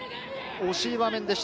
惜しい場面でした。